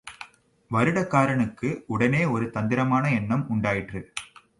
வருடகாரனுக்கு உடனே ஒரு தந்திரமான எண்ணம் உண்டாயிற்று.